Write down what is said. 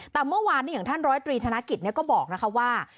แต่เมื่อวานอย่างท่านร้อยตรีธนกิจก็บอกนะคะว่า